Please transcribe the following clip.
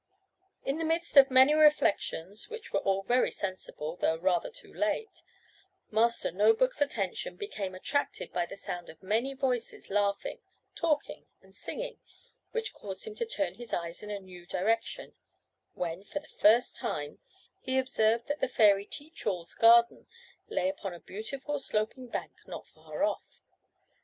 In the midst of many reflections, which were all very sensible, though rather too late, Master No book's attention became attracted by the sound of many voices laughing, talking, and singing, which caused him to turn his eyes in a new direction, when, for the first time, he observed that the fairy Teach all's garden lay upon a beautiful sloping bank not far off.